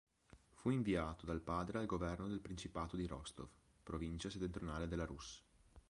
Fu inviato dal padre al Governo del principato di Rostov, provincia settentrionale della Rus'.